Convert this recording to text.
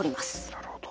なるほど。